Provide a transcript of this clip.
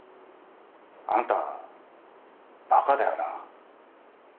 あんたバカだよな。